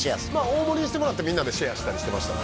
大盛にしてもらってみんなでシェアしたりしてました